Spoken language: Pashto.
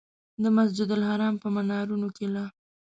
د مسجدالحرام په منارونو کې لا.